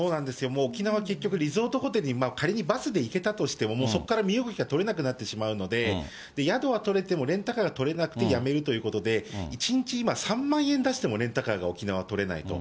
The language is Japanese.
もう沖縄は結局、リゾートホテルに仮にバスで行けたとしてもそこから身動きが取れなくなってしまうので、宿は取れても、レンタカーが取れなくてやめるということで、一日、今３万円出しても、レンタカー、沖縄は取れないと。